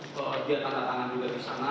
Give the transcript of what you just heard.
dia tanda tangan juga di sana